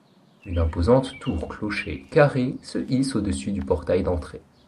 Une imposante tour-clocher carrée se hisse au-dessus du portail d’entrée.